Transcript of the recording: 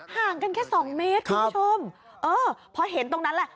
ห่างกันแค่สองเมตรคุณผู้ชมเออพอเห็นตรงนั้นแหละ